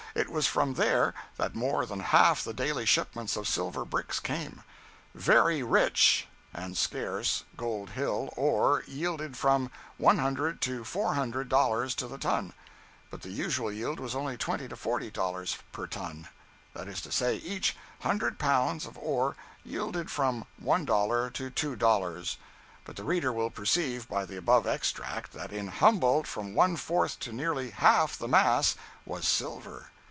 It was from there that more than half the daily shipments of silver bricks came. "Very rich" (and scarce) Gold Hill ore yielded from $100 to $400 to the ton; but the usual yield was only $20 to $40 per ton—that is to say, each hundred pounds of ore yielded from one dollar to two dollars. But the reader will perceive by the above extract, that in Humboldt from one fourth to nearly half the mass was silver!